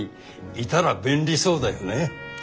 いたら便利そうだよね。